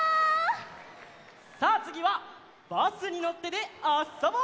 さあつぎは「バスにのって」であそぼう！